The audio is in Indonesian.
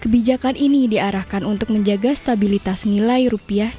kebijakan ini diarahkan untuk menjaga stabilitas nilai rupiah